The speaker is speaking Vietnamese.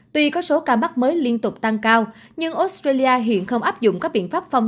tuy có số ca mắc mới liên tục tăng cao nhưng australia hiện không áp dụng các biện pháp phong